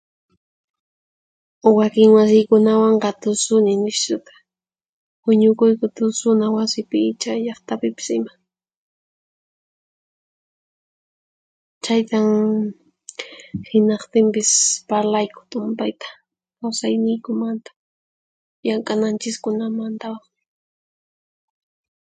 Wakin masiykunawanqa tusuni nishuta, huñukuyku tusuna wasipi icha llaqtapipis ima. Chaytan, hinaqtinpis parlayku tumpayta kawsayniykumanta llank'ananchiskunamantawan.